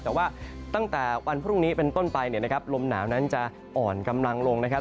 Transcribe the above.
แต่ว่าตั้งแต่วันพรุ่งนี้เป็นต้นไปเนี่ยนะครับลมหนาวนั้นจะอ่อนกำลังลงนะครับ